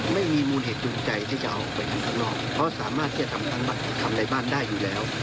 ไม่มีมูลเหตุจูงใจที่จะเอาไปขึ้นข้างนอกเพราะสามารถที่จะทำบัตรทำในบ้านได้อยู่แล้ว